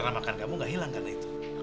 karena makan kamu gak hilang karena itu